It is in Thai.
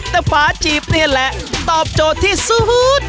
แต่ฝาจีบนี่แหละตอบโจทย์ที่สุด